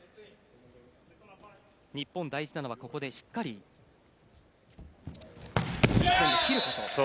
日本、大事なのはここでしっかり切ること。